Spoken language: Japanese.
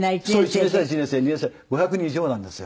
１年生は１年生２年生５００人以上なんですよ。